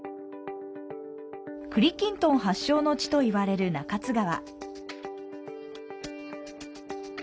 栗きんとん発祥の地といわれる中津川。